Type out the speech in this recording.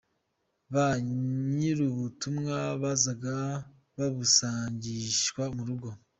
Ba nyir’ubutumwa bazajya babusangishwa mu rugo.